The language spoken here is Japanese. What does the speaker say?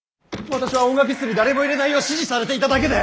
私は音楽室に誰も入れないよう指示されていただけで。